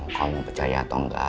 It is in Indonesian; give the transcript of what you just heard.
kamu percaya atau enggak